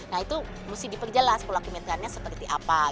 nah itu mesti diperjelas pola kementeriannya seperti apa